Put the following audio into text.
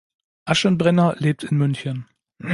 Aschenbrenner lebt in München.